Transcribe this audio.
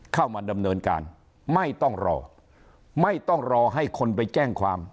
เข้ามาดำเนินการไม่ต้องรอไม่ต้องรอให้คนไปแจ้งความ